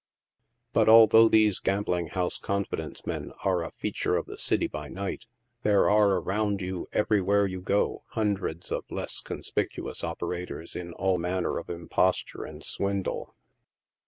But although these gambling house confidence men are a feature of the city by night, there are around you, everywhere you go, hun dreds of less conspicuous operators in all manner of imposture and swindle.